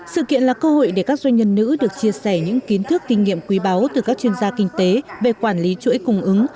sự kiện là cơ hội để các doanh nhân nữ được chia sẻ những kiến thức kinh nghiệm quý báu từ các chuyên gia kinh tế về quản lý chuỗi cung ứng